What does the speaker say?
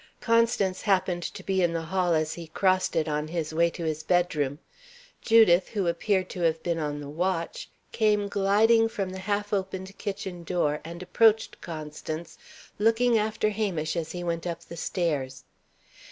Constance happened to be in the hall as he crossed it, on his way to his bedroom. Judith, who appeared to have been on the watch, came gliding from the half opened kitchen door and approached Constance, looking after Hamish as he went up the stairs.